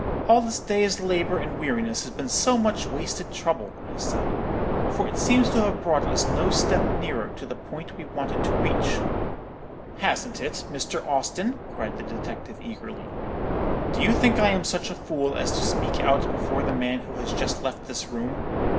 "'All this day's labour and weariness has been so much wasted trouble,' I said; 'for it seems to have brought us no step nearer to the point we wanted to reach." "'Hasn't it, Mr. Austin?" cried the detective, eagerly. 'Do you think I am such a fool as to speak out before the man who has just left this room?